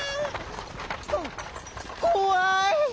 ここわい！